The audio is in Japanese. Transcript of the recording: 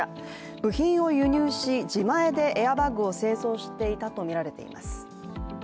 部品を輸入し、自前でエアバッグを製造していたとみられています。